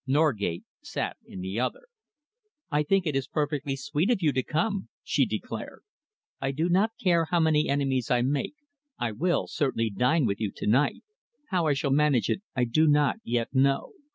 Norgate sat in the other. "I think it is perfectly sweet of you to come," she declared. "I do not care how many enemies I make I will certainly dine with you to night. How I shall manage it I do not yet know.